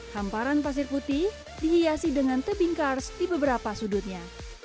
hamparan pasir putih dihiasi dengan tebing kars di beberapa sudutnya